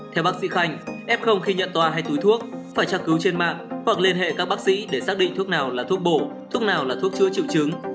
theo bác sĩ khanh f khi nhận tòa hay túi thuốc phải tra cứu trên mạng hoặc liên hệ các bác sĩ để xác định thuốc nào là thuốc bổ thuốc nào là thuốc chữa chứng